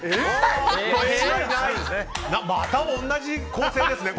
またも同じ構成ですね。